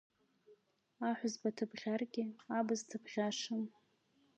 Аҳәызбаҭыԥ ӷьаргьы, абз ҭыԥ ӷьашам…